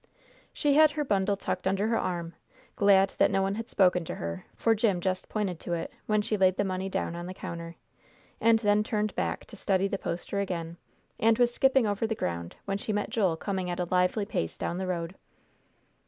She had her bundle tucked under her arm, glad that no one had spoken to her; for Jim just pointed to it, when she laid the money down on the counter, and then turned back to study the poster again, and was skipping over the ground, when she met Joel coming at a lively pace down the road.